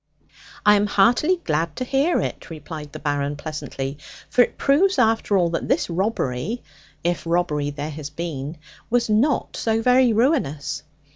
'I am heartily glad to hear it,' replied the Baron pleasantly; 'for it proves after all that this robbery (if robbery there has been) was not so very ruinous.